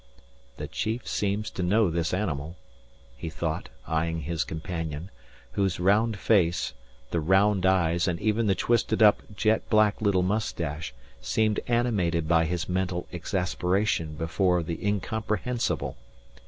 "The chief seems to know this animal," he thought, eyeing his companion, whose round face, the round eyes and even the twisted up jet black little moustache seemed animated by his mental exasperation before the incomprehensible.